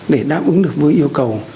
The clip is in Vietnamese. để đáp ứng được với yêu cầu